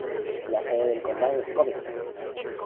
La sede de condado es Covington.